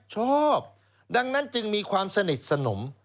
ชอบดังนั้นจึงมีความสนิทสนม